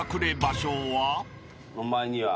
お前には。